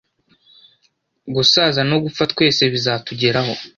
gusaza no gupfa twese bizatugeraho